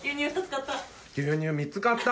牛乳２つ買った？